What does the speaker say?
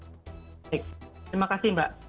oke terima kasih mbak